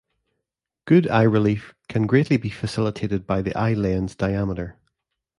Good eye relief can greatly be facilitated by the eye lens diameter.